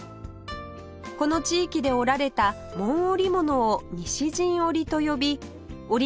この地域で織られた紋織物を西陣織と呼び織